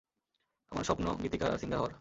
আমার স্বপ্ন গীতিকার আর সিঙ্গার হওয়ার।